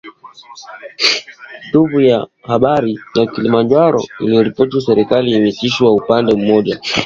Tovuti ya habari ya Kilimanjaro, iliripoti kuwa serikali imesitisha kwa upande mmoja mazungumzo ambayo yamekuwa yakiendelea na Harare.